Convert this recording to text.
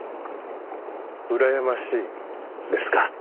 うらやましいですか？